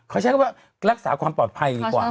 เขาใช้คำว่ารักษาความปลอดภัยดีกว่า